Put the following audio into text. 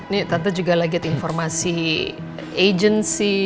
nih tante juga lagi lihat informasi agensi